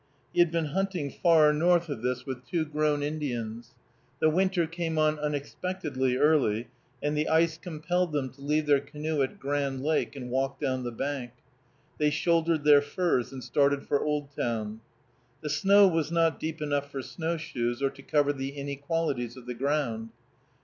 He had been hunting far north of this with two grown Indians. The winter came on unexpectedly early, and the ice compelled them to leave their canoe at Grand Lake, and walk down the bank. They shouldered their furs and started for Oldtown. The snow was not deep enough for snowshoes, or to cover the inequalities of the ground.